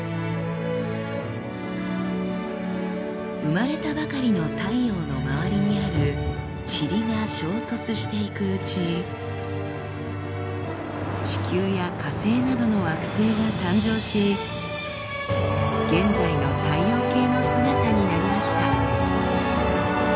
生まれたばかりの太陽の周りにある塵が衝突していくうち地球や火星などの惑星が誕生し現在の太陽系の姿になりました。